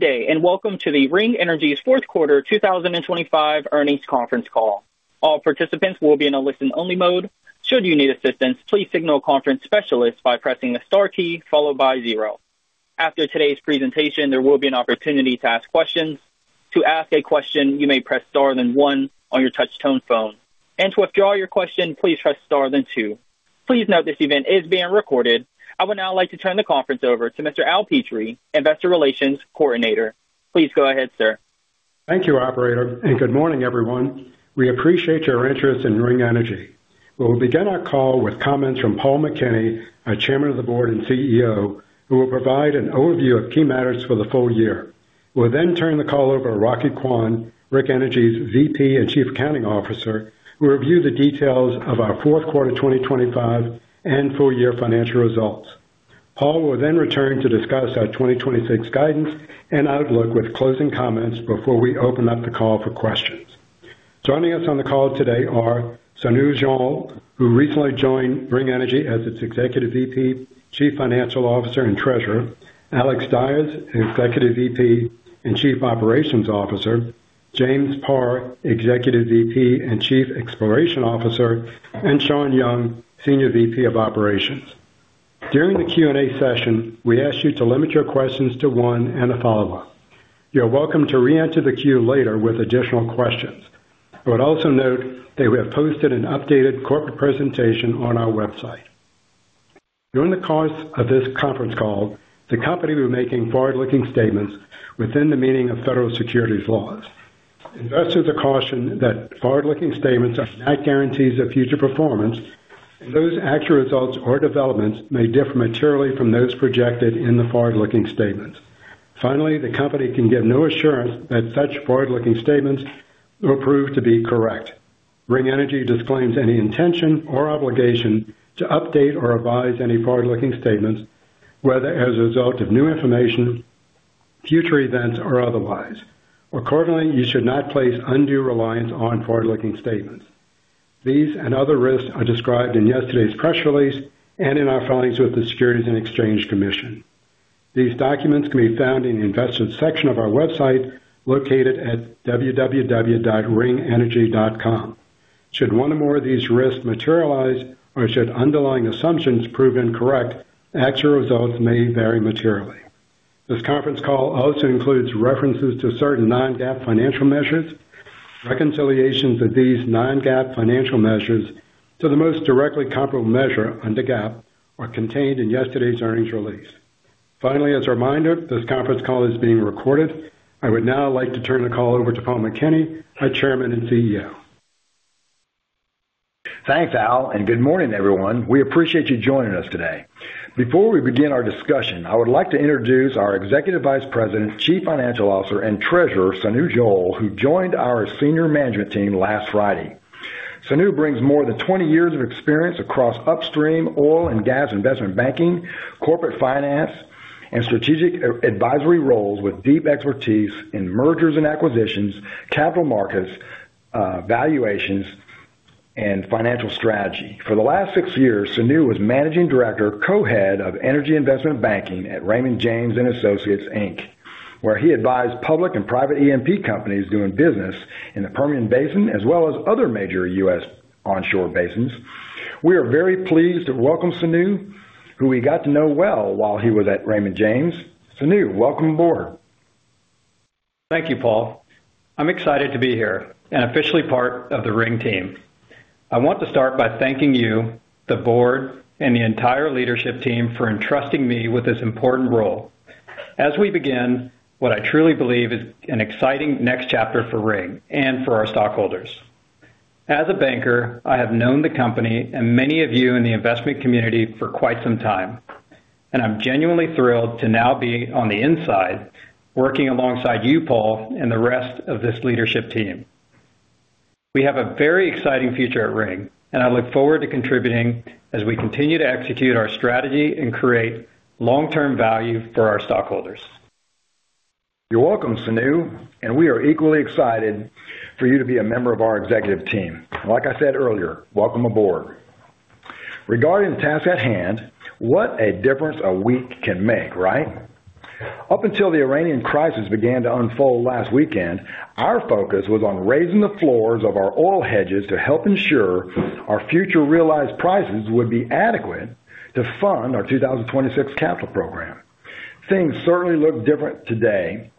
Good day, and welcome to the Ring Energy's fourth quarter 2025 Earnings Conference Call. All participants will be in a listen-only mode. Should you need assistance, please signal a conference specialist by pressing the star key followed by zero. After today's presentation, there will be an opportunity to ask questions. To ask a question, you may press star then one on your touch tone phone. To withdraw your question, please press star then two. Please note this event is being recorded. I would now like to turn the conference over to Mr. Al Petrie, Investor Relations Coordinator. Please go ahead, sir. Thank you, operator. Good morning, everyone. We appreciate your interest in Ring Energy. We will begin our call with comments from Paul McKinney, our Chairman of the Board and CEO, who will provide an overview of key matters for the full year. We'll then turn the call over to Rocky Kwon, Ring Energy's VP and Chief Accounting Officer, who will review the details of our fourth quarter 2025 and full year financial results. Paul will then return to discuss our 2026 guidance and outlook with closing comments before we open up the call for questions. Joining us on the call today are Sonu Johl, who recently joined Ring Energy as its Executive VP, Chief Financial Officer, and Treasurer, Alexander Dyes, Executive VP and Chief Operations Officer, James Parr, Executive VP and Chief Exploration Officer, and Shawn Young, Senior VP of Operations. During the Q&A session, we ask you to limit your questions to one and a follow-up. You are welcome to re-enter the queue later with additional questions. I would also note that we have posted an updated corporate presentation on our website. During the course of this conference call, the company will be making forward-looking statements within the meaning of federal securities laws. Investors are cautioned that forward-looking statements are not guarantees of future performance, and those actual results or developments may differ materially from those projected in the forward-looking statements. Finally, the company can give no assurance that such forward-looking statements will prove to be correct. Ring Energy disclaims any intention or obligation to update or revise any forward-looking statements, whether as a result of new information, future events, or otherwise. Accordingly, you should not place undue reliance on forward-looking statements. These and other risks are described in yesterday's press release and in our filings with the Securities and Exchange Commission. These documents can be found in the Investors section of our website, located at www.ringenergy.com. Should one or more of these risks materialize, or should underlying assumptions prove incorrect, actual results may vary materially. This conference call also includes references to certain non-GAAP financial measures. Reconciliations of these non-GAAP financial measures to the most directly comparable measure under GAAP are contained in yesterday's earnings release. Finally, as a reminder, this conference call is being recorded. I would now like to turn the call over to Paul McKinney, our Chairman and CEO. Thanks, Al. Good morning, everyone. We appreciate you joining us today. Before we begin our discussion, I would like to introduce our Executive Vice President, Chief Financial Officer, and Treasurer, Sonu Johl, who joined our senior management team last Friday. Sonu brings more than 20 years of experience across upstream oil and gas investment banking, corporate finance, and strategic advisory roles with deep expertise in mergers and acquisitions, capital markets, valuations, and financial strategy. For the last six years, Sonu was Managing Director, Co-Head of Energy Investment Banking at Raymond James & Associates, Inc., where he advised public and private E&P companies doing business in the Permian Basin, as well as other major US onshore basins. We are very pleased to welcome Sonu, who we got to know well while he was at Raymond James. Sonu, welcome aboard. Thank you, Paul. I'm excited to be here and officially part of the Ring team. I want to start by thanking you, the board, and the entire leadership team for entrusting me with this important role. As we begin what I truly believe is an exciting next chapter for Ring and for our stockholders. As a banker, I have known the company and many of you in the investment community for quite some time, and I'm genuinely thrilled to now be on the inside, working alongside you, Paul, and the rest of this leadership team. We have a very exciting future at Ring, and I look forward to contributing as we continue to execute our strategy and create long-term value for our stockholders. You're welcome, Sonu. We are equally excited for you to be a member of our executive team. Like I said earlier, welcome aboard. Regarding the task at hand, what a difference a week can make, right? Up until the Iranian crisis began to unfold last weekend, our focus was on raising the floors of our oil hedges to help ensure our future realized prices would be adequate to fund our 2026 capital program. Things certainly look different today.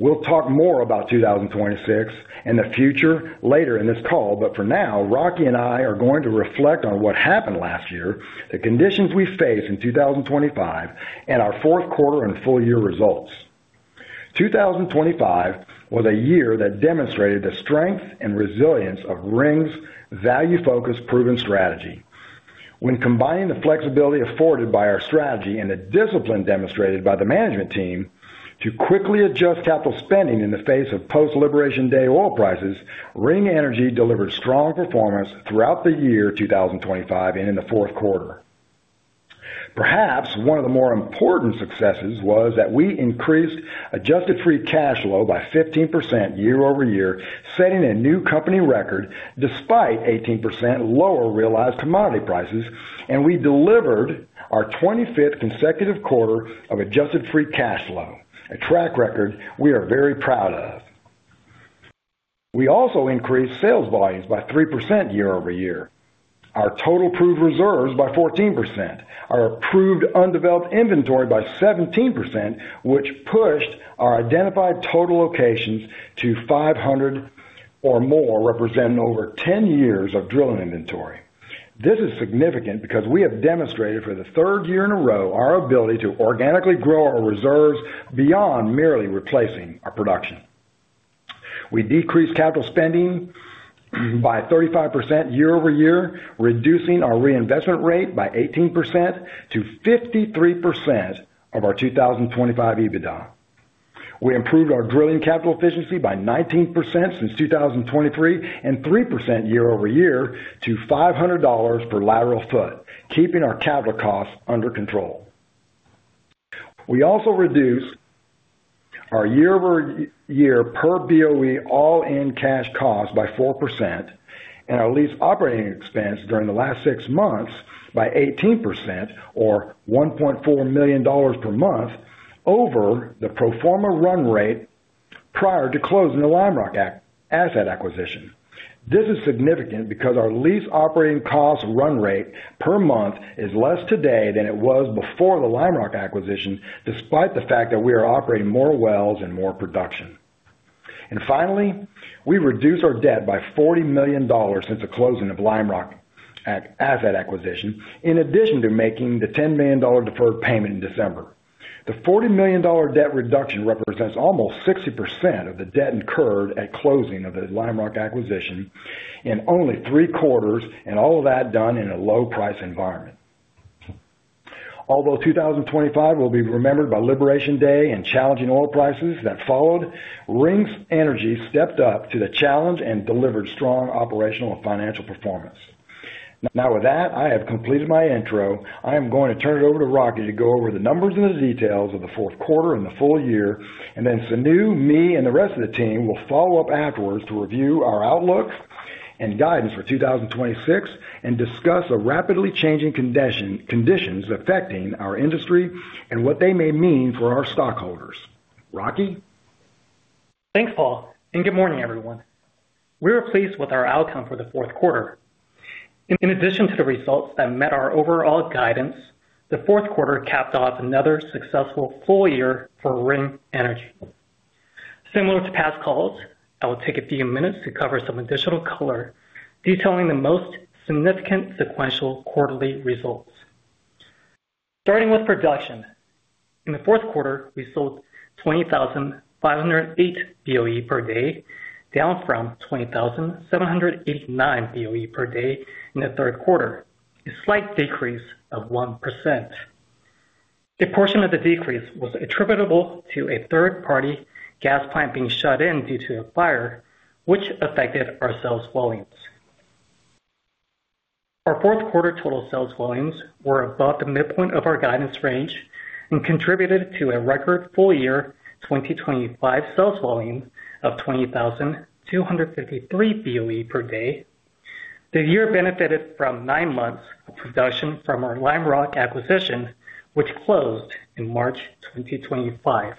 We'll talk more about 2026 and the future later in this call. For now, Rocky and I are going to reflect on what happened last year, the conditions we face in 2025, and our fourth quarter and full year results. 2025 was a year that demonstrated the strength and resilience of Ring's value-focused, proven strategy. When combining the flexibility afforded by our strategy and the discipline demonstrated by the management team to quickly adjust capital spending in the face of post-Liberation Day oil prices, Ring Energy delivered strong performance throughout the year 2025 and in the fourth quarter. Perhaps one of the more important successes was that we increased adjusted free cash flow by 15% year-over-year, setting a new company record despite 18% lower realized commodity prices, and we delivered our 25th consecutive quarter of adjusted free cash flow, a track record we are very proud of. We also increased sales volumes by 3% year-over-year, our total proved reserves by 14%, our approved undeveloped inventory by 17%, which pushed our identified total locations to 500 or more, representing over 10 years of drilling inventory. This is significant because we have demonstrated for the third year in a row our ability to organically grow our reserves beyond merely replacing our production. We decreased capital spending by 35% year-over-year, reducing our reinvestment rate by 18%-53% of our 2025 EBITDA. We improved our drilling capital efficiency by 19% since 2023 and 3% year-over-year to $500 per lateral foot, keeping our capital costs under control. We also reduced our year-over-year per Boe all-in cash costs by 4% and our lease operating expense during the last six months by 18% or $1.4 million per month over the pro forma run rate prior to closing the Lime Rock asset acquisition. This is significant because our lease operating cost run rate per month is less today than it was before the Lime Rock acquisition, despite the fact that we are operating more wells and more production. Finally, we reduced our debt by $40 million since the closing of Lime Rock asset acquisition. In addition to making the $10 million deferred payment in December. The $40 million debt reduction represents almost 60% of the debt incurred at closing of the Lime Rock acquisition in only three quarters, and all of that done in a low price environment. Although 2025 will be remembered by Liberation Day and challenging oil prices that followed, Ring Energy stepped up to the challenge and delivered strong operational and financial performance. Now with that, I have completed my intro. I am going to turn it over to Rocky to go over the numbers and the details of the fourth quarter and the full year. Sonu, me, and the rest of the team will follow up afterwards to review our outlook and guidance for 2026 and discuss the rapidly changing conditions affecting our industry and what they may mean for our stockholders. Rocky. Thanks, Paul. Good morning, everyone. We are pleased with our outcome for the fourth quarter. In addition to the results that met our overall guidance, the fourth quarter capped off another successful full year for Ring Energy. Similar to past calls, I will take a few minutes to cover some additional color detailing the most significant sequential quarterly results. Starting with production. In the fourth quarter, we sold 20,508 Boe per day, down from 20,789 Boe per day in the third quarter, a slight decrease of 1%. A portion of the decrease was attributable to a third-party gas plant being shut in due to a fire which affected our sales volumes. Our fourth quarter total sales volumes were above the midpoint of our guidance range and contributed to a record full year 2025 sales volume of 20,253 Boe per day. The year benefited from nine months of production from our Lime Rock acquisition, which closed in March 2025.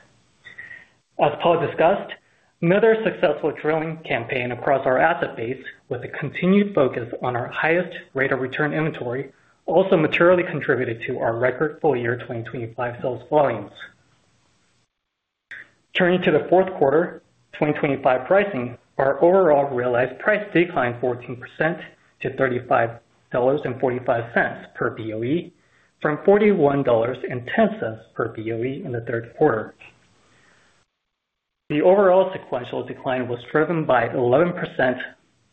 As Paul discussed, another successful drilling campaign across our asset base with a continued focus on our highest rate of return inventory also materially contributed to our record full year 2025 sales volumes. Turning to the fourth quarter 2025 pricing, our overall realized price declined 14% to $35.45 per Boe from $41.10 per Boe in the third quarter. The overall sequential decline was driven by 11%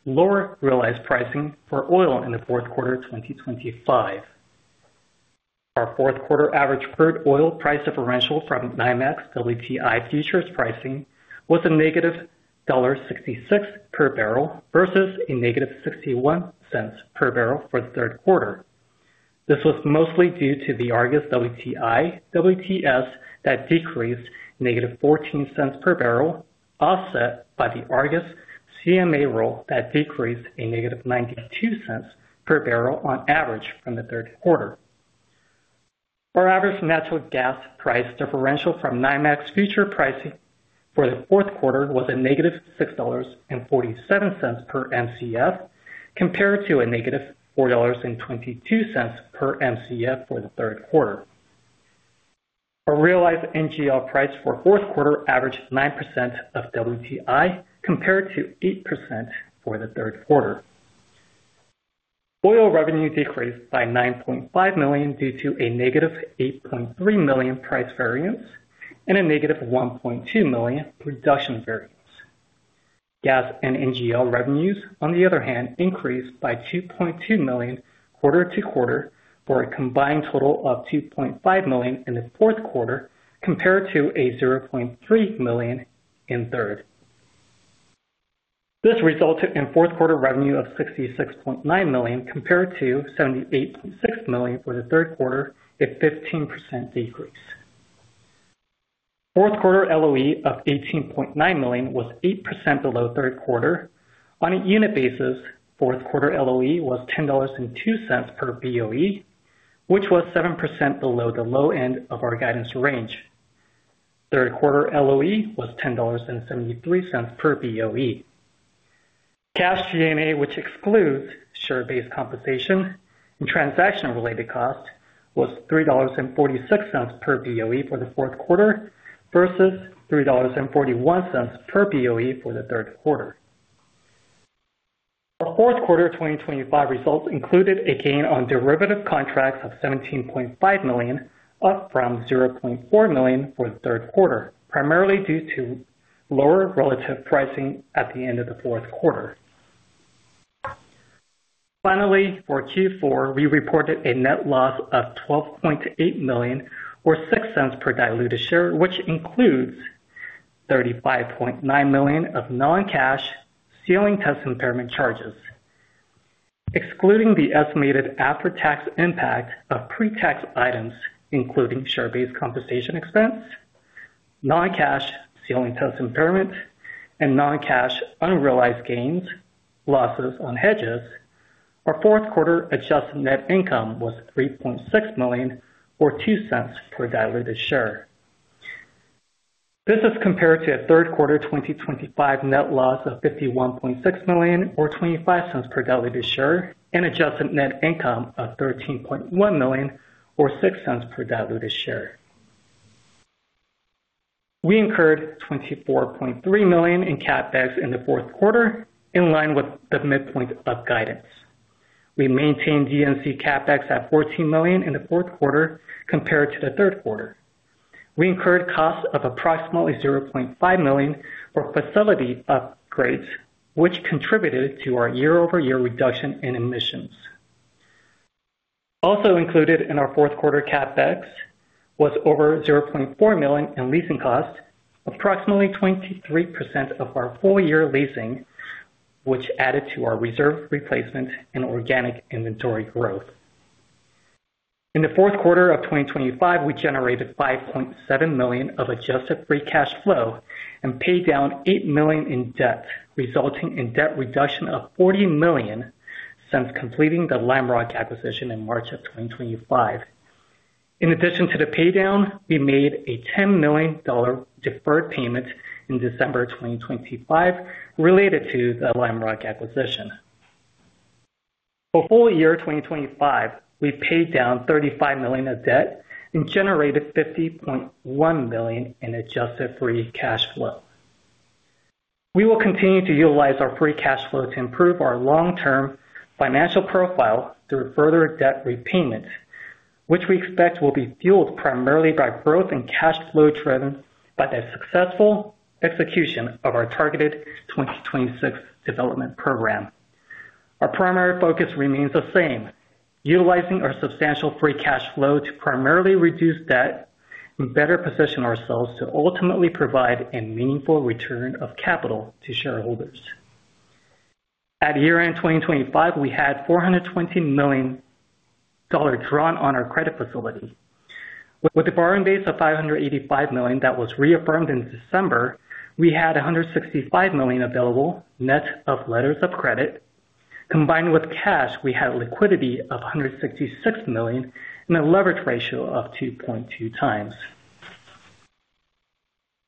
lower realized pricing for oil in the fourth quarter of 2025. Our fourth quarter average crude oil price differential from NYMEX WTI futures pricing was a negative $1.66 per barrel versus a negative $0.61 per barrel for the third quarter. This was mostly due to the Argus WTI-WTS that decreased negative $0.14 per barrel, offset by the Argus CMA roll that decreased a negative $0.92 per barrel on average from the third quarter. Our average natural gas price differential from NYMEX future pricing for the fourth quarter was a negative $6.47 per Mcf, compared to a negative $4.22 per Mcf for the third quarter. Our realized NGL price for fourth quarter averaged 9% of WTI, compared to 8% for the third quarter. Oil revenue decreased by $9.5 million due to a negative $8.3 million price variance and a negative $1.2 million production variance. Gas and NGL revenues, on the other hand, increased by $2.2 million quarter-over-quarter, for a combined total of $2.5 million in the fourth quarter, compared to a $0.3 million in third. This resulted in fourth quarter revenue of $66.9 million compared to $78.6 million for the third quarter, a 15% decrease. Fourth quarter LOE of $18.9 million was 8% below third quarter. On a unit basis, fourth quarter LOE was $10.02 per Boe, which was 7% below the low end of our guidance range. Third quarter LOE was $10.73 per Boe. Cash G&A, which excludes share-based compensation and transaction-related costs, was $3.46 per Boe for the fourth quarter versus $3.41 per Boe for the third quarter. Our fourth quarter 2025 results included a gain on derivative contracts of $17.5 million, up from $0.4 million for the third quarter, primarily due to lower relative pricing at the end of the fourth quarter. For Q4, we reported a net loss of $12.8 million or $0.06 per diluted share, which includes $35.9 million of non-cash ceiling test impairment charges. Excluding the estimated after-tax impact of pre-tax items, including share-based compensation expense, non-cash ceiling test impairment, and non-cash unrealized gains, losses on hedges, our fourth quarter adjusted net income was $3.6 million or $0.02 per diluted share. This is compared to a third quarter 2025 net loss of $51.6 million or $0.25 per diluted share and adjusted net income of $13.1 million or $0.06 per diluted share. We incurred $24.3 million in CapEx in the fourth quarter, in line with the midpoint of guidance. We maintained D&C CapEx at $14 million in the fourth quarter compared to the third quarter. We incurred costs of approximately $0.5 million for facility upgrades, which contributed to our year-over-year reduction in emissions. Also included in our fourth quarter CapEx was over $0.4 million in leasing costs, approximately 23% of our full year leasing, which added to our reserve replacement and organic inventory growth. In the fourth quarter of 2025, we generated $5.7 million of adjusted free cash flow and paid down $8 million in debt, resulting in debt reduction of $40 million since completing the Lime Rock acquisition in March 2025. In addition to the pay down, we made a $10 million deferred payment in December 2025 related to the Lime Rock acquisition. For full year 2025, we paid down $35 million of debt and generated $50.1 million in adjusted free cash flow. We will continue to utilize our free cash flow to improve our long term financial profile through further debt repayments, which we expect will be fueled primarily by growth and cash flow driven by the successful execution of our targeted 2026 development program. Our primary focus remains the same, utilizing our substantial free cash flow to primarily reduce debt and better position ourselves to ultimately provide a meaningful return of capital to shareholders. At year-end 2025, we had $420 million drawn on our credit facility. With a borrowing base of $585 million that was reaffirmed in December, we had $165 million available net of letters of credit. Combined with cash, we had liquidity of $166 million and a leverage ratio of 2.2 times.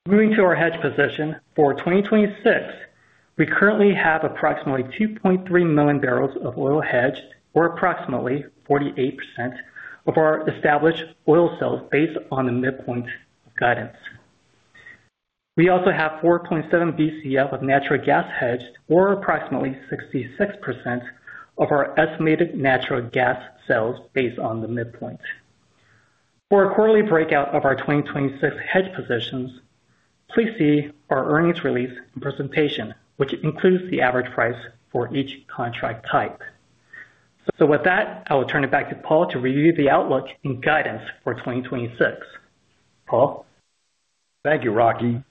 Moving to our hedge position for 2026, we currently have approximately 2.3 million barrels of oil hedged or approximately 48% of our established oil sales based on the midpoint guidance. We also have 4.7 Bcf of natural gas hedged or approximately 66% of our estimated natural gas sales based on the midpoint. For a quarterly breakout of our 2026 hedge positions, please see our earnings release and presentation, which includes the average price for each contract type. With that, I will turn it back to Paul to review the outlook and guidance for 2026. Paul? Thank you, Rocky.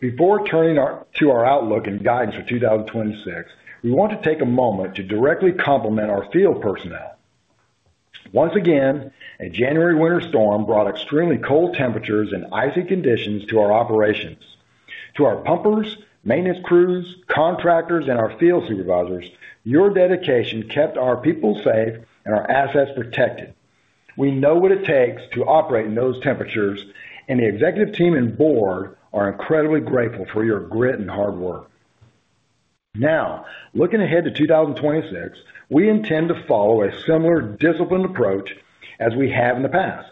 Before turning to our outlook and guidance for 2026, we want to take a moment to directly compliment our field personnel. Once again, a January winter storm brought extremely cold temperatures and icy conditions to our operations. To our pumpers, maintenance crews, contractors, and our field supervisors, your dedication kept our people safe and our assets protected. We know what it takes to operate in those temperatures. The executive team and board are incredibly grateful for your grit and hard work. Looking ahead to 2026, we intend to follow a similar disciplined approach as we have in the past.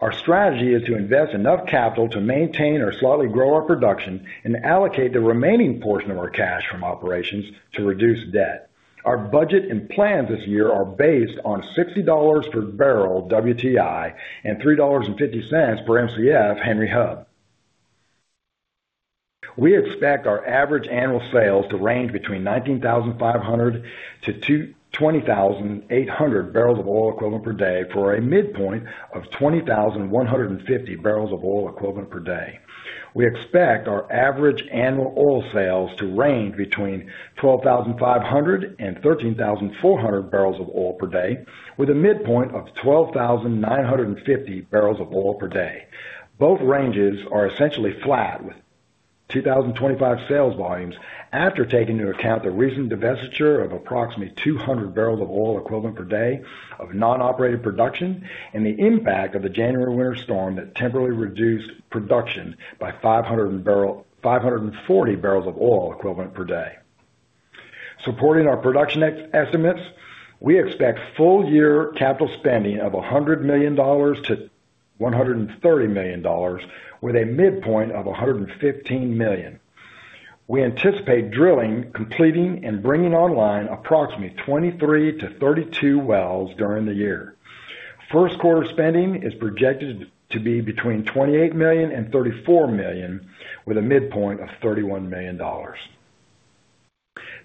Our strategy is to invest enough capital to maintain or slightly grow our production and allocate the remaining portion of our cash from operations to reduce debt. Our budget and plans this year are based on $60 per barrel WTI and $3.50 per Mcf Henry Hub. We expect our average annual sales to range between 19,500 to 20,800 barrels of oil equivalent per day for a midpoint of 20,150 barrels of oil equivalent per day. We expect our average annual oil sales to range between 12,500 and 13,400 barrels of oil per day, with a midpoint of 12,950 barrels of oil per day. Both ranges are essentially flat with 2025 sales volumes after taking into account the recent divestiture of approximately 200 barrels of oil equivalent per day of non-operated production and the impact of the January winter storm that temporarily reduced production by 540 barrels of oil equivalent per day. Supporting our production ex-estimates, we expect full year capital spending of $100 million-$130 million, with a midpoint of $115 million. We anticipate drilling, completing, and bringing online approximately 23-32 wells during the year. First quarter spending is projected to be between $28 million and $34 million, with a midpoint of $31 million.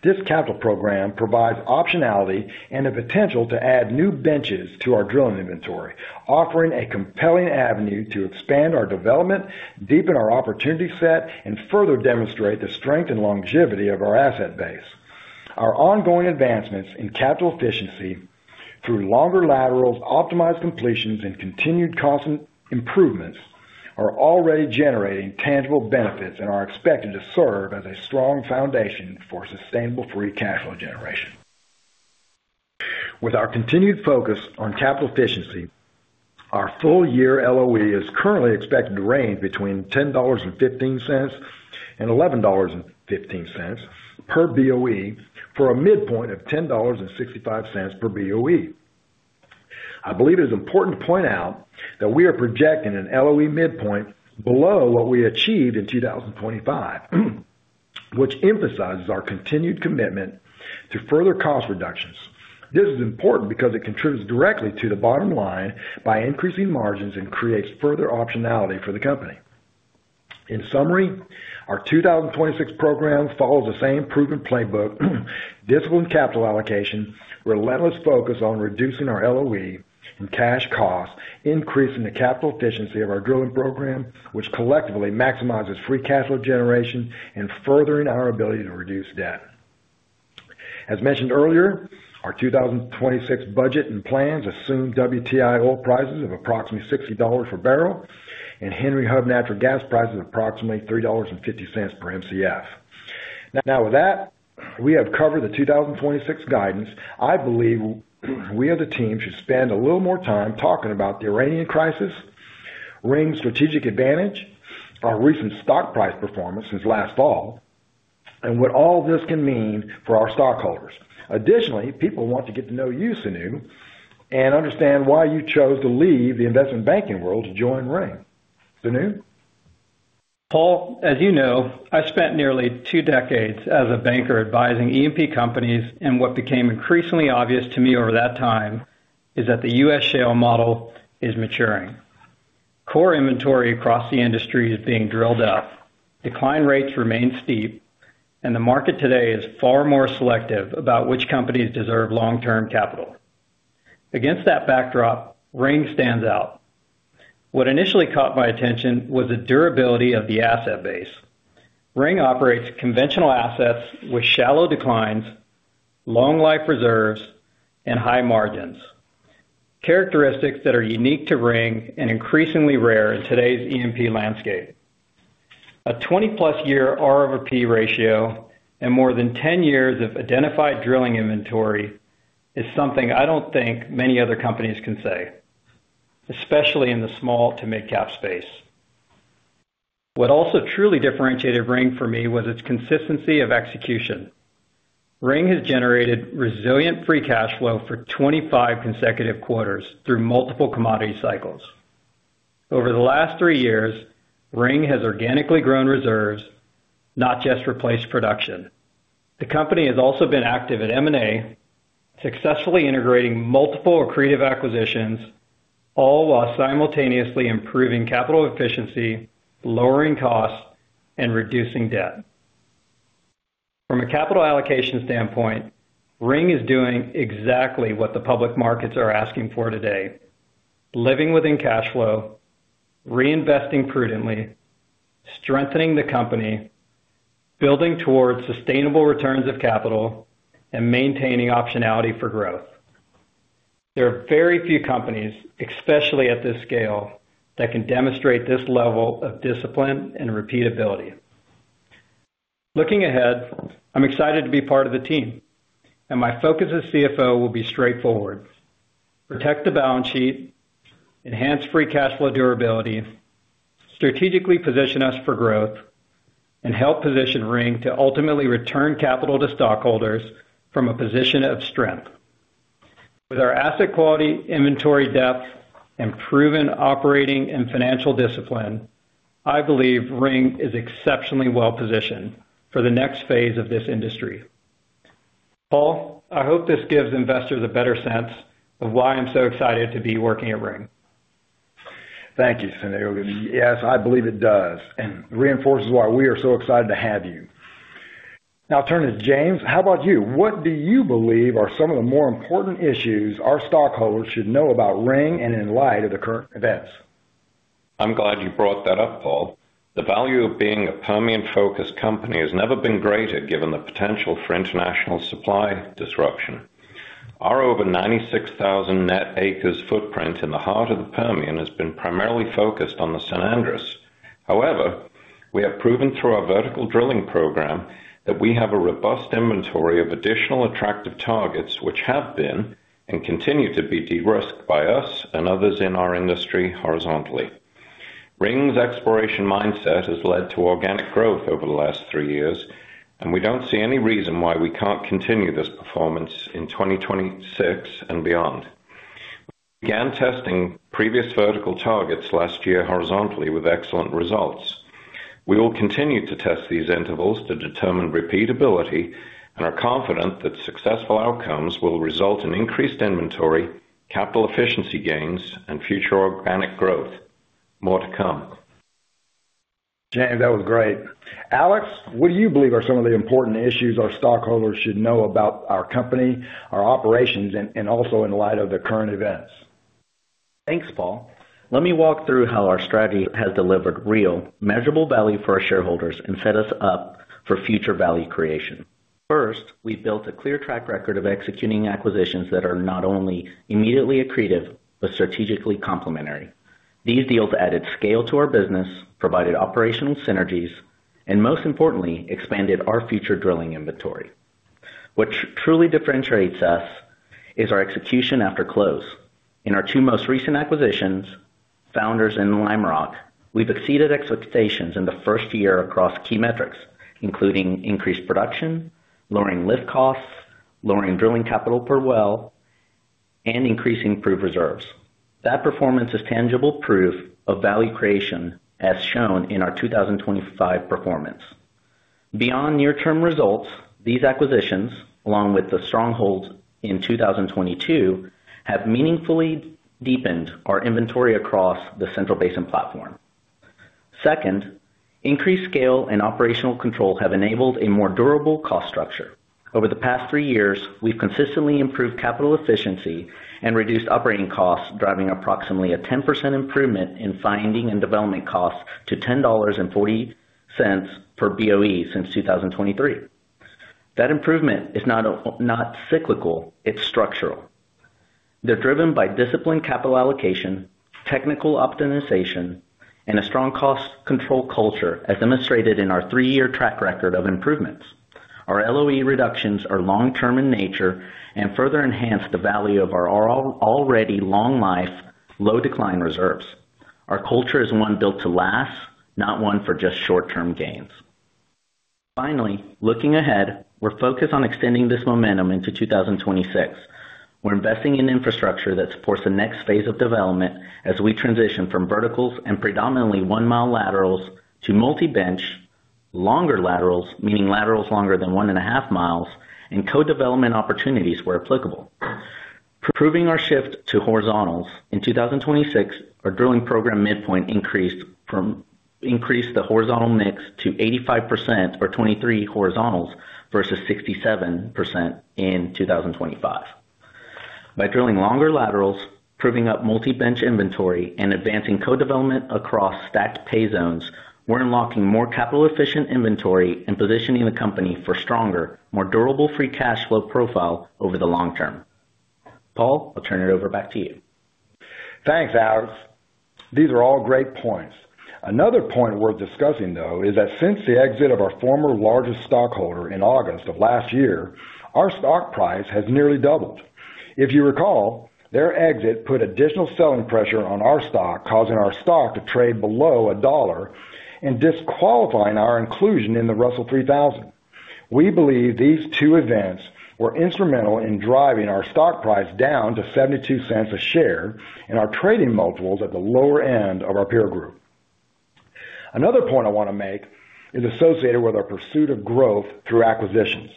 This capital program provides optionality and the potential to add new benches to our drilling inventory, offering a compelling avenue to expand our development, deepen our opportunity set, and further demonstrate the strength and longevity of our asset base. Our ongoing advancements in capital efficiency through longer laterals, optimized completions, and continued constant improvements are already generating tangible benefits and are expected to serve as a strong foundation for sustainable free cash flow generation. With our continued focus on capital efficiency, our full year LOE is currently expected to range between $10.15 and $11.15 per BOE, for a midpoint of $10.65 per BOE. I believe it is important to point out that we are projecting an LOE midpoint below what we achieved in 2025, which emphasizes our continued commitment to further cost reductions. This is important because it contributes directly to the bottom line by increasing margins and creates further optionality for the company. In summary, our 2026 programs follow the same proven playbook, disciplined capital allocation, relentless focus on reducing our LOE and cash costs, increasing the capital efficiency of our drilling program, which collectively maximizes free cash flow generation, and furthering our ability to reduce debt. As mentioned earlier, our 2026 budget and plans assume WTI oil prices of approximately $60 per barrel and Henry Hub natural gas prices of approximately $3.50 per Mcf. With that, we have covered the 2026 guidance. I believe we as a team should spend a little more time talking about the Iranian crisis, Ring's strategic advantage, our recent stock price performance since last fall, and what all this can mean for our stockholders. People want to get to know you, Sonu, and understand why you chose to leave the investment banking world to join Ring. Sonu? Paul, as you know, I've spent nearly two decades as a banker advising E&P companies. What became increasingly obvious to me over that time is that the U.S. shale model is maturing. Core inventory across the industry is being drilled up, decline rates remain steep, and the market today is far more selective about which companies deserve long-term capital. Against that backdrop, Ring stands out. What initially caught my attention was the durability of the asset base. Ring operates conventional assets with shallow declines, long life reserves, and high margins, characteristics that are unique to Ring and increasingly rare in today's E&P landscape. A 20+ year R/P ratio and more than 10 years of identified drilling inventory is something I don't think many other companies can say, especially in the small to midcap space. What also truly differentiated Ring for me was its consistency of execution. Ring has generated resilient free cash flow for 25 consecutive quarters through multiple commodity cycles. Over the last three years, Ring has organically grown reserves, not just replaced production. The company has also been active at M&A, successfully integrating multiple accretive acquisitions, all while simultaneously improving capital efficiency, lowering costs, and reducing debt. From a capital allocation standpoint, Ring is doing exactly what the public markets are asking for today: living within cash flow, reinvesting prudently, strengthening the company, building towards sustainable returns of capital, and maintaining optionality for growth. There are very few companies, especially at this scale, that can demonstrate this level of discipline and repeatability. Looking ahead, I'm excited to be part of the team, and my focus as CFO will be straightforward: protect the balance sheet, enhance free cash flow durability, strategically position us for growth, and help position Ring to ultimately return capital to stockholders from a position of strength. With our asset quality, inventory depth, and proven operating and financial discipline, I believe Ring is exceptionally well positioned for the next phase of this industry. Paul, I hope this gives investors a better sense of why I'm so excited to be working at Ring. Thank you, Sonu. Yes, I believe it does and reinforces why we are so excited to have you. Turning to James, how about you? What do you believe are some of the more important issues our stockholders should know about Ring and in light of the current events? I'm glad you brought that up, Paul. The value of being a Permian-focused company has never been greater given the potential for international supply disruption. Our over 96,000 net acres footprint in the heart of the Permian has been primarily focused on the San Andres. We have proven through our vertical drilling program that we have a robust inventory of additional attractive targets, which have been and continue to be de-risked by us and others in our industry horizontally. Ring's exploration mindset has led to organic growth over the last three years, and we don't see any reason why we can't continue this performance in 2026 and beyond. Began testing previous vertical targets last year horizontally with excellent results. We will continue to test these intervals to determine repeatability and are confident that successful outcomes will result in increased inventory, capital efficiency gains, and future organic growth. More to come. James, that was great. Alex, what do you believe are some of the important issues our stockholders should know about our company, our operations, and also in light of the current events? Thanks, Paul. Let me walk through how our strategy has delivered real, measurable value for our shareholders and set us up for future value creation. First, we built a clear track record of executing acquisitions that are not only immediately accretive, but strategically complementary. These deals added scale to our business, provided operational synergies, and most importantly, expanded our future drilling inventory. What truly differentiates us is our execution after close. In our two most recent acquisitions, Founders and Lime Rock, we've exceeded expectations in the first year across key metrics, including increased production, lowering lift costs, lowering drilling capital per well, and increasing proof reserves. That performance is tangible proof of value creation as shown in our 2025 performance. Beyond near-term results, these acquisitions, along with the Strongholds in 2022, have meaningfully deepened our inventory across the Central Basin Platform. Increased scale and operational control have enabled a more durable cost structure. Over the past three years, we've consistently improved capital efficiency and reduced operating costs, driving approximately a 10% improvement in Finding and Development costs to $10.40 per Boe since 2023. That improvement is not cyclical, it's structural. They're driven by disciplined capital allocation, technical optimization, and a strong cost control culture, as demonstrated in our three-year track record of improvements. Our LOE reductions are long-term in nature and further enhance the value of our already long life, low decline reserves. Our culture is one built to last, not one for just short-term gains. Looking ahead, we're focused on extending this momentum into 2026. We're investing in infrastructure that supports the next phase of development as we transition from verticals and predominantly 1-mile laterals to multi-bench, longer laterals, meaning laterals longer than 1.5 miles, and co-development opportunities where applicable. Proving our shift to horizontals, in 2026, our drilling program midpoint increased the horizontal mix to 85% or 23 horizontals versus 67% in 2025. By drilling longer laterals, proving up multi-bench inventory and advancing co-development across stacked pay zones, we're unlocking more capital efficient inventory and positioning the company for stronger, more durable free cash flow profile over the long term. Paul, I'll turn it over back to you. Thanks, Alex. These are all great points. Another point worth discussing, though, is that since the exit of our former largest stockholder in August of last year, our stock price has nearly doubled. If you recall, their exit put additional selling pressure on our stock, causing our stock to trade below $1 and disqualifying our inclusion in the Russell 3000 Index. We believe these two events were instrumental in driving our stock price down to $0.72 a share and our trading multiples at the lower end of our peer group. Another point I wanna make is associated with our pursuit of growth through acquisitions.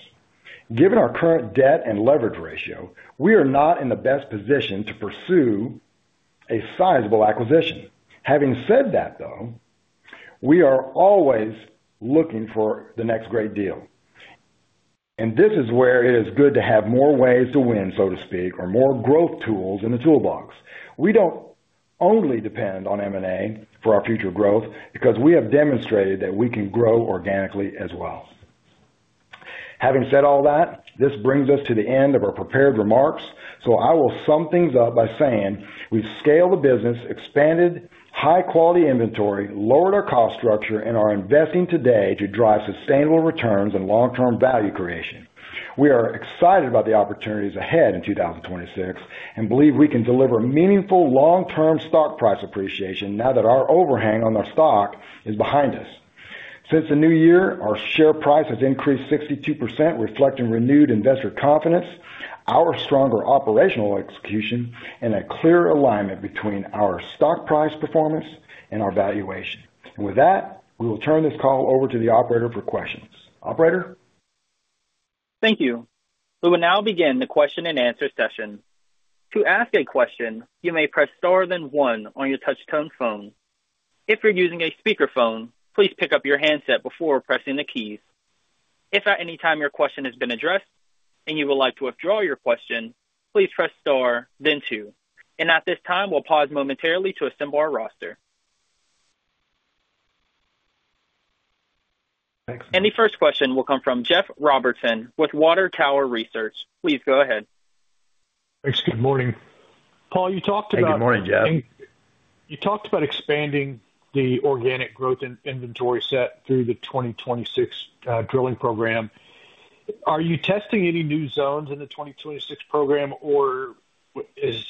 Given our current debt and leverage ratio, we are not in the best position to pursue a sizable acquisition. Having said that, though, we are always looking for the next great deal. This is where it is good to have more ways to win, so to speak, or more growth tools in the toolbox. We don't only depend on M&A for our future growth because we have demonstrated that we can grow organically as well. Having said all that, this brings us to the end of our prepared remarks. I will sum things up by saying we've scaled the business, expanded high quality inventory, lowered our cost structure, and are investing today to drive sustainable returns and long-term value creation. We are excited about the opportunities ahead in 2026 and believe we can deliver meaningful long-term stock price appreciation now that our overhang on our stock is behind us. Since the new year, our share price has increased 62%, reflecting renewed investor confidence, our stronger operational execution, and a clear alignment between our stock price performance and our valuation. With that, we will turn this call over to the operator for questions. Operator? Thank you. We will now begin the question-and-answer session. To ask a question, you may press star then one on your touch tone phone. If you're using a speakerphone, please pick up your handset before pressing the keys. If at any time your question has been addressed and you would like to withdraw your question, please press star then two. At this time, we'll pause momentarily to assemble our roster. The first question will come from Jeff Robertson with Water Tower Research. Please go ahead. Thanks. Good morning. Hey, good morning, Jeff. You talked about expanding the organic growth in inventory set through the 2026 drilling program. Are you testing any new zones in the 2026 program or is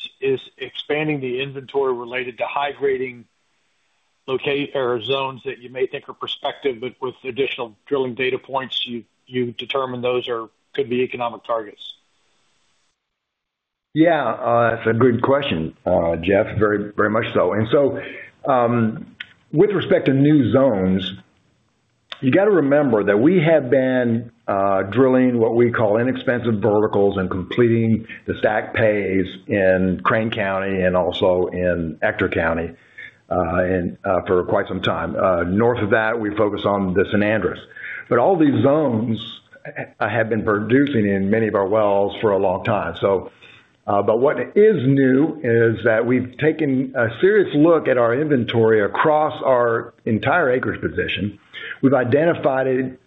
expanding the inventory related to high grading or zones that you may think are prospective, but with additional drilling data points, you determine those could be economic targets? Yeah. That's a good question, Jeff. Very much so. With respect to new zones, you gotta remember that we have been drilling what we call inexpensive verticals and completing the stacked pay in Crane County and also in Ector County, and for quite some time. North of that, we focus on the San Andres. All these zones have been producing in many of our wells for a long time. What is new is that we've taken a serious look at our inventory across our entire acreage position. We've identified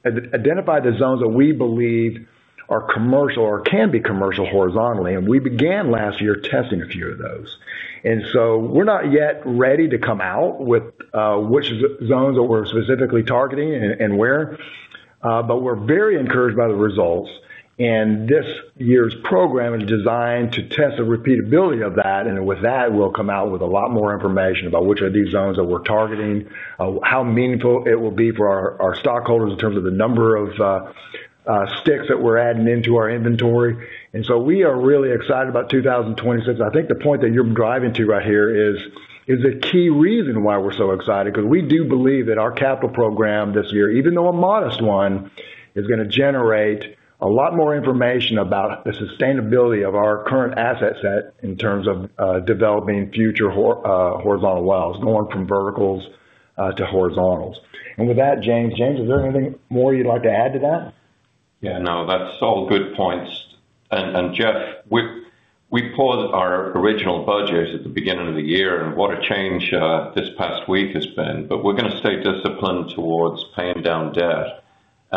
the zones that we believe are commercial or can be commercial horizontally. We began last year testing a few of those. We're not yet ready to come out with, which z-zones that we're specifically targeting and where, but we're very encouraged by the results. This year's program is designed to test the repeatability of that, and with that, we'll come out with a lot more information about which of these zones that we're targeting, how meaningful it will be for our stockholders in terms of the number of, sticks that we're adding into our inventory. We are really excited about 2026. I think the point that you're driving to right here is a key reason why we're so excited 'cause we do believe that our capital program this year, even though a modest one, is gonna generate a lot more information about the sustainability of our current asset set in terms of developing future horizontal wells, going from verticals to horizontals. With that, James. James, is there anything more you'd like to add to that? Yeah, no, that's all good points. Jeff, we paused our original budget at the beginning of the year, and what a change this past week has been. We're gonna stay disciplined towards paying down debt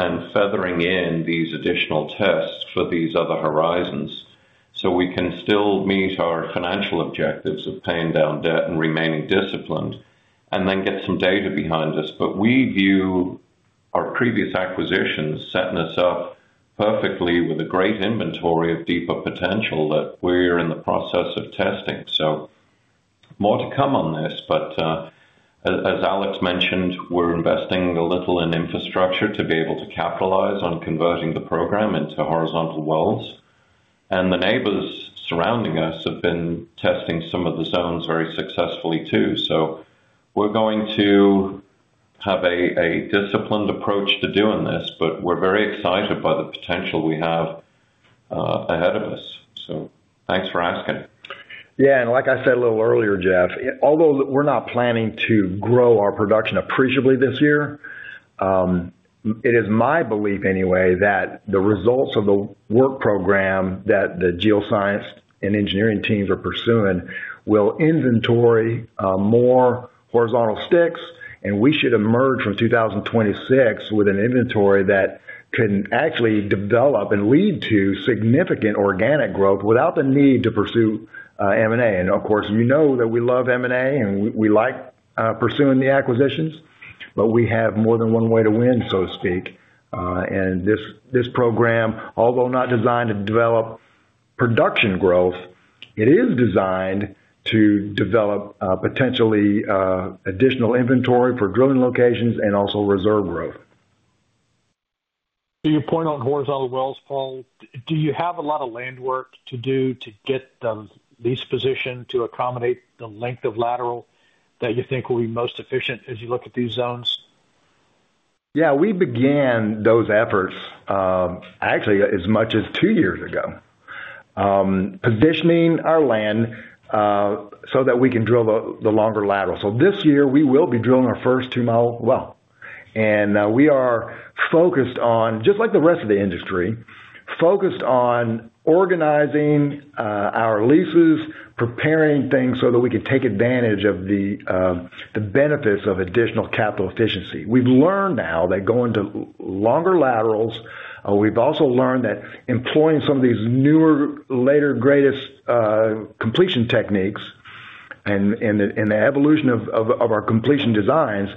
and feathering in these additional tests for these other horizons so we can still meet our financial objectives of paying down debt and remaining disciplined, and then get some data behind us. We view our previous acquisitions setting us up perfectly with a great inventory of deeper potential that we're in the process of testing. More to come on this, but as Alex mentioned, we're investing a little in infrastructure to be able to capitalize on converting the program into horizontal wells. The neighbors surrounding us have been testing some of the zones very successfully too. We're going to have a disciplined approach to doing this, but we're very excited by the potential we have ahead of us. Thanks for asking. Yeah. Like I said a little earlier, Jeff, although we're not planning to grow our production appreciably this year, it is my belief anyway, that the results of the work program that the geoscience and engineering teams are pursuing will inventory more horizontal sticks, and we should emerge from 2026 with an inventory that can actually develop and lead to significant organic growth without the need to pursue M&A. Of course, you know that we love M&A, and we like pursuing the acquisitions, but we have more than one way to win, so to speak. This, this program, although not designed to develop production growth, it is designed to develop potentially additional inventory for drilling locations and also reserve growth. To your point on horizontal wells, Paul, do you have a lot of land work to do to get the lease position to accommodate the length of lateral that you think will be most efficient as you look at these zones? Yeah, we began those efforts, actually as much as two years ago. Positioning our land so that we can drill the longer laterals. This year, we will be drilling our first 2-mile well. We are focused on organizing our leases, preparing things so that we can take advantage of the benefits of additional capital efficiency. We've learned now that going to longer laterals, we've also learned that employing some of these newer, later, greatest completion techniques and the evolution of our completion designs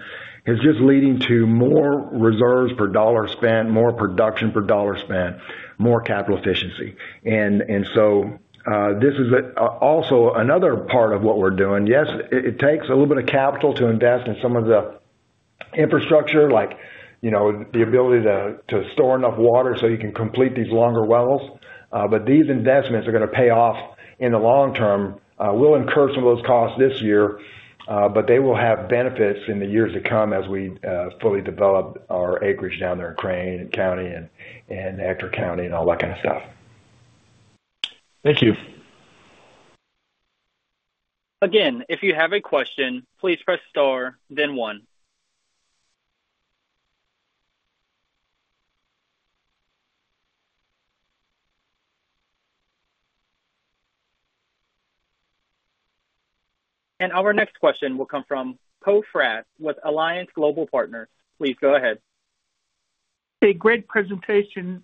is just leading to more reserves per dollar spent, more production per dollar spent, more capital efficiency. This is also another part of what we're doing. Yes, it takes a little bit of capital to invest in some of the infrastructure like, you know, the ability to store enough water so you can complete these longer wells. These investments are gonna pay off in the long term. We'll incur some of those costs this year, but they will have benefits in the years to come as we fully develop our acreage down there in Crane County and Ector County and all that kind of stuff. Thank you. Again, if you have a question, please press star then one. Our next question will come from Poe Fratt with Alliance Global Partners. Please go ahead. Hey, great presentation.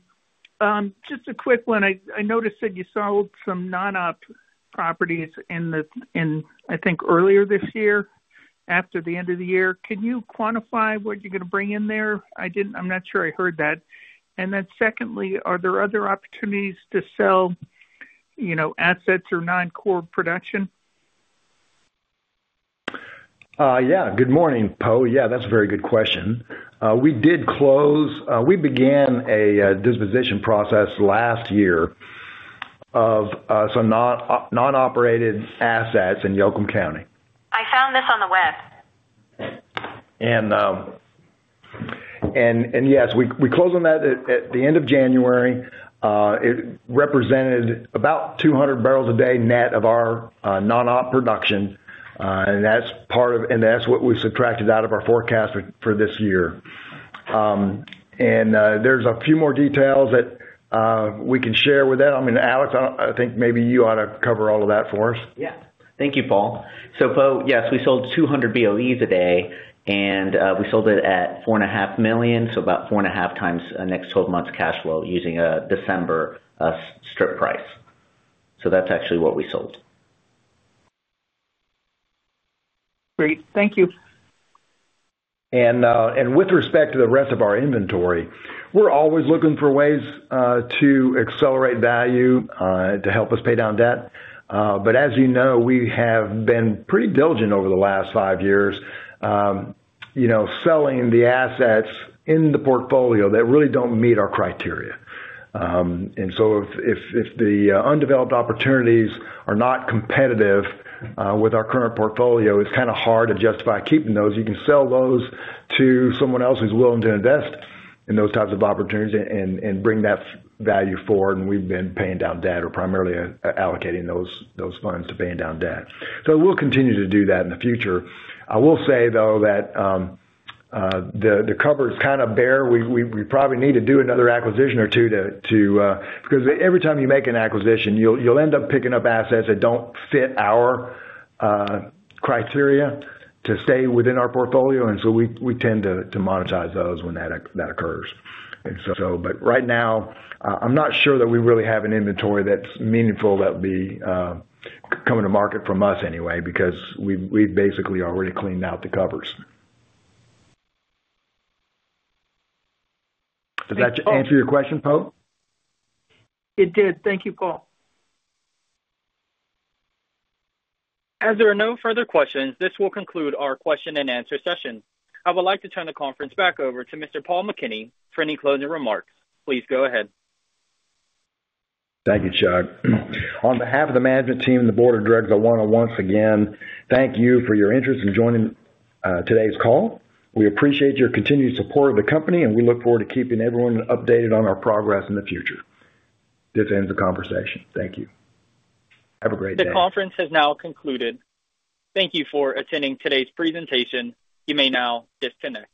Just a quick one. I noticed that you sold some non-op properties in, I think, earlier this year after the end of the year. Can you quantify what you're gonna bring in there? I'm not sure I heard that. Secondly, are there other opportunities to sell, you know, assets or non-core production? Yeah. Good morning, Poe. Yeah, that's a very good question. We began a disposition process last year of some non-operated assets in Yoakum County. I found this on the west. Yes, we closed on that at the end of January. It represented about 200 barrels a day net of our non-op production. That's what we subtracted out of our forecast for this year. There's a few more details that we can share with that. I mean, Alex, I think maybe you ought to cover all of that for us. Yeah. Thank you, Paul. Po, yes, we sold 200 BOEs a day, and we sold it at $4.5 million, about 4.5 times next 12 months cash flow using a December strip price. That's actually what we sold. Great. Thank you. With respect to the rest of our inventory, we're always looking for ways to accelerate value to help us pay down debt. As you know, we have been pretty diligent over the last five years, you know, selling the assets in the portfolio that really don't meet our criteria. If the undeveloped opportunities are not competitive with our current portfolio, it's kind of hard to justify keeping those. You can sell those to someone else who's willing to invest in those types of opportunities and bring that value forward, and we've been paying down debt or primarily allocating those funds to paying down debt. We'll continue to do that in the future. I will say, though, that the cupboard's kind of bare. We probably need to do another acquisition or two. Every time you make an acquisition, you'll end up picking up assets that don't fit our criteria to stay within our portfolio, we tend to monetize those when that occurs. Right now, I'm not sure that we really have an inventory that's meaningful that would be coming to market from us anyway, because we've basically already cleaned out the cupboards. Does that answer your question, Po? It did. Thank you, Paul. As there are no further questions, this will conclude our question and answer session. I would like to turn the conference back over to Mr. Paul McKinney for any closing remarks. Please go ahead. Thank you, Chuck. On behalf of the management team and the board of directors, I wanna once again thank you for your interest in joining today's call. We appreciate your continued support of the company, and we look forward to keeping everyone updated on our progress in the future. This ends the conversation. Thank you. Have a great day. The conference has now concluded. Thank you for attending today's presentation. You may now disconnect.